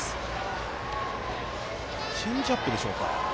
チェンジアップでしょうか。